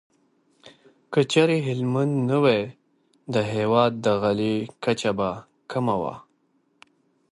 که چيرې هلمند نه وای، د هېواد د غلې کچه به کمه وه.